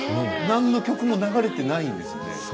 何の曲も流れていないんですよ。